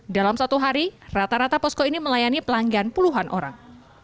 dalam satu hari rata rata posko ini melayani pelanggan puluhan orang